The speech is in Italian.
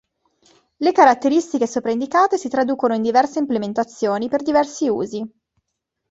Le caratteristiche sopra indicate si traducono in diverse implementazioni per diversi usi.